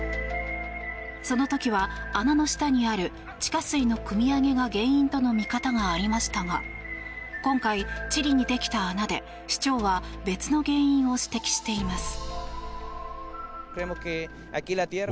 その時は穴の下にある地下水のくみ上げが原因との見方がありましたが今回、チリにできた穴で市長は別の原因を指摘しています。